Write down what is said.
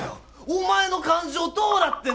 お前の感情どうなってんだよ！